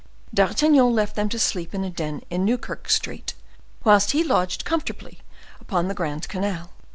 D'Artagnan left them to sleep in a den in Newkerke street, whilst he lodged comfortably upon the Grand Canal.